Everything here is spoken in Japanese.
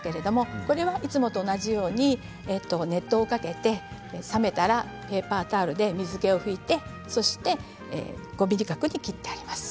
これはいつもと同じように熱湯をかけて冷めたらペーパータオルで水けを拭いてそして５ｍｍ角に切ってあります。